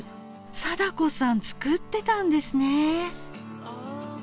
貞子さん作ってたんですね！